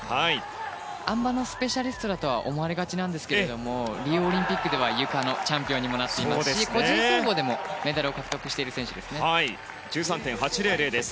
あん馬のスペシャリストだと思われがちなんですがリオオリンピックでは、ゆかのチャンピオンにもなっていますし個人総合でもメダルを獲得している選手です。１３．８００です。